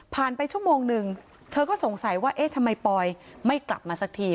ไปชั่วโมงนึงเธอก็สงสัยว่าเอ๊ะทำไมปอยไม่กลับมาสักที